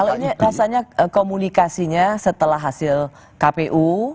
kalau ini rasanya komunikasinya setelah hasil kpu